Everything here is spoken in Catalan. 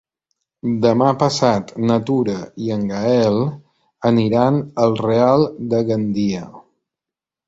Demà passat na Tura i en Gaël aniran al Real de Gandia.